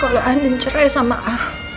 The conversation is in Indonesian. kalau anin cerai sama aku